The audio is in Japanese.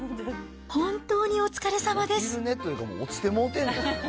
本当にお疲れさまです。